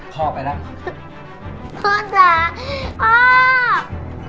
พ่อไปแล้วพ่อจ๋าพ่อ